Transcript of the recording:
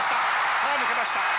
さあ抜けました。